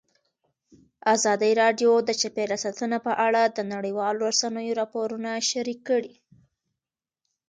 ازادي راډیو د چاپیریال ساتنه په اړه د نړیوالو رسنیو راپورونه شریک کړي.